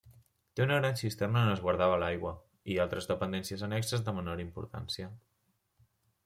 Té una gran cisterna on es guardava l'aigua i altres dependències annexes de menor importància.